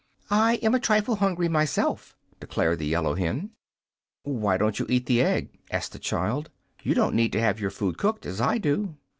"I'm a trifle hungry, myself," declared the yellow hen. "Why don't you eat the egg?" asked the child. "You don't need to have your food cooked, as I do."